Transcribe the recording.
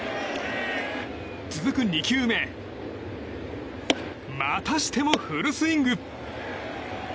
続く２球目またしてもフルスイング。